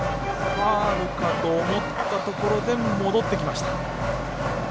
ファウルかと思ったところで戻ってきました。